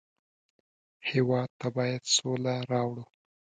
هېواد ته باید سوله راوړو